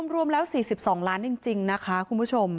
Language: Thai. รวมแล้ว๔๒ล้านจริงนะคะคุณผู้ชม